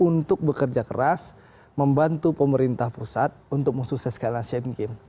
untuk bekerja keras membantu pemerintah pusat untuk mensukseskan asian games